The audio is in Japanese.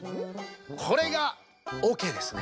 これがおけですね。